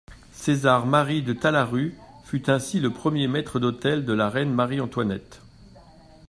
César Marie de Talaru fut ainsi le Premier maître d'hôtel de la reine Marie-Antoinette.